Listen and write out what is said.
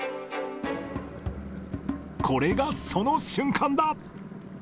これがその瞬間だ。